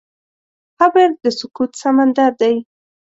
قبر د سکوت سمندر دی.